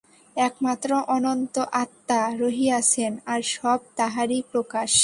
একমাত্র অনন্ত আত্মা রহিয়াছেন, আর সব তাঁহারই প্রকাশ।